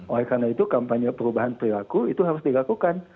oleh karena itu kampanye perubahan perilaku itu harus dilakukan